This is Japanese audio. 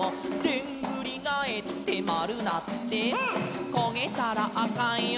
「でんぐりがえってまるなって」「こげたらあかんよがんばりやー」